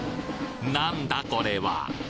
なんだこれは？